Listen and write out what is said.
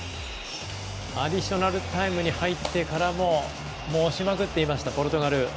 アディショナルタイムに入ってからも押しまくっていましたポルトガル。